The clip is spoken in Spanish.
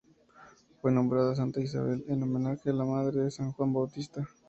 Fue nombrada Santa Isabel, en homenaje a la madre de San Juan Bautista.